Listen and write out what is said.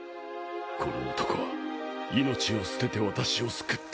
この男は命を捨てて私を救った。